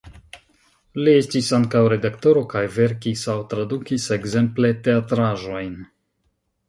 Li estis ankaŭ redaktoro kaj verkis aŭ tradukis ekzemple teatraĵojn.